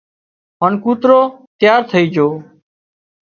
هانَ ڪوترو تيار ٿئي جھو